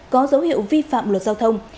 có dấu hiệu vi phạm luật giao thông